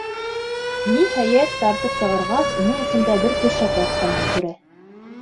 Ниһайәт, тартып сығарғас, уның эсендә бер көршәк ятҡанын күрә.